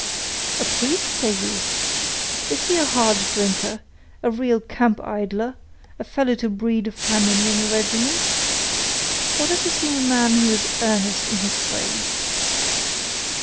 "A priest, say you!—is he a hard drinker—a real camp idler—a fellow to breed a famine in a regiment? Or does he seem a man who is earnest in his trade?"